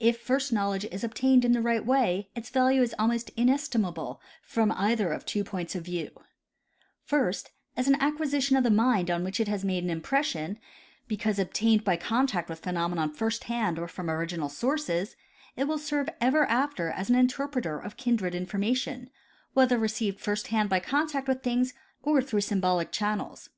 If first knowledge is obtained in the right way its value is almost inestimable from either of two points of vieAV : First, as an acquisition of the mind on which it has made an impression because obtained by contact with phenomena first hand or from original sources, it will serve ever after as an interpreter of kindred information, whether received first hand by contact with things or through symbolic channels.